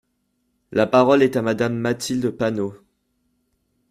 La parole est à Madame Mathilde Panot.